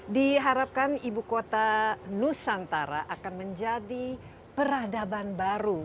diharapkan ibu kota nusantara akan menjadi peradaban baru